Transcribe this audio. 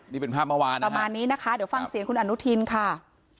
นี่เป็นภาพเมื่อวานประมาณนี้นะคะเดี๋ยวฟังเสียงคุณอนุทินค่ะ